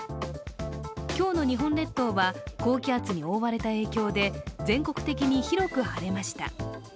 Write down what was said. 今日の日本列島は高気圧に覆われた影響で全国的に広く晴れました。